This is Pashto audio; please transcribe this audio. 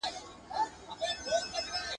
په دلیل او په منطق ښکلی انسان دی !.